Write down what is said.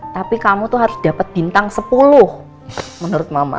tapi kamu tuh harus dapat bintang sepuluh menurut mama